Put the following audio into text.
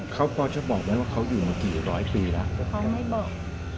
เขาพอจะบอกไหมว่าเขาอยู่มากี่ร้อยปีแล้วแต่เขาไม่บอก